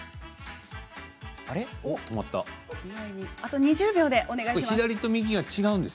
あと２０秒でお願いします。